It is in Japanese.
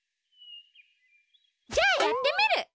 じゃあやってみる！